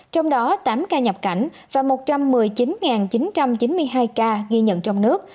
trong đó tám ca nhập cảnh và một trăm một mươi chín chín trăm chín mươi hai ca ghi nhận trong nước